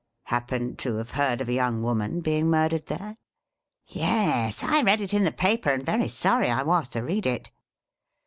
' 'Happen to have heard of a young woman being murdered there?' 'Yes, I read it in the paper, and very sorry I was to read it.'